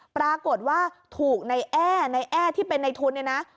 ปรากฏว่าถูกในแอ้ในแอ้ที่เป็นในทุนเนี่ยนะ